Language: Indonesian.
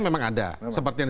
kadang bapak mau lanjutkan